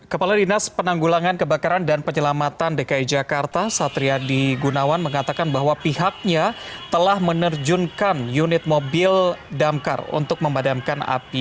kepala dinas penanggulangan kebakaran dan penyelamatan dki jakarta satriadi gunawan mengatakan bahwa pihaknya telah menerjunkan unit mobil damkar untuk memadamkan api